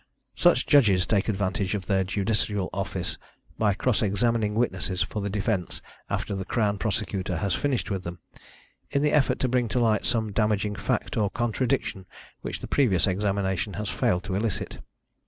Such judges take advantage of their judicial office by cross examining witnesses for the defence after the Crown Prosecutor has finished with them, in the effort to bring to light some damaging fact or contradiction which the previous examination has failed to elicit.